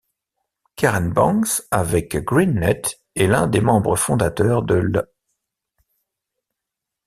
Karen Banks avec GreenNet est l'un des membres fondateurs de l'.